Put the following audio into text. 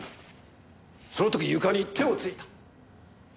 その時床に手をついた！